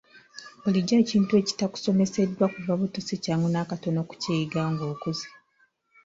Bulijjo ekintu ekitakusomeseddwa kuva buto si kyangu n'akatono okukiyiga ng'okuze.